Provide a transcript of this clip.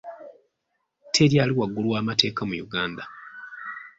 Teri ali waggulu w'amateeka mu Uganda.